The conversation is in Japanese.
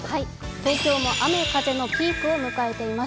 東京も雨風のピークを迎えています。